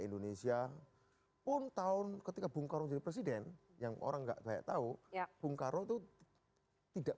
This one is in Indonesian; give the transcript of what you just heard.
indonesia pun tahun ketika bung karno di presiden yang orang enggak tahu ya bung karno tuh tidak